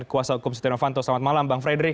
kuasa hukum setia novanto selamat malam bang frederick